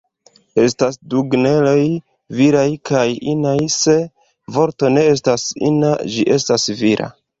Estas du genroj: viraj kaj inaj, se vorto ne estas ina, ĝi estas vira.